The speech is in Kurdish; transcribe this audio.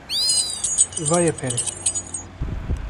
- Vaye pere.